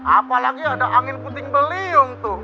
apalagi ada angin puting beliung tuh